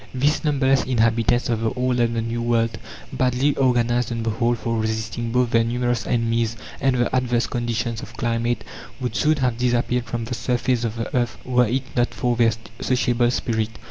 These numberless inhabitants of the Old and the New World, badly organized on the whole for resisting both their numerous enemies and the adverse conditions of climate, would soon have disappeared from the surface of the earth were it not for their sociable spirit.